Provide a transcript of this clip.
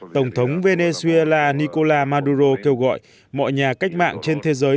tổng thống venezuela nicola maduro kêu gọi mọi nhà cách mạng trên thế giới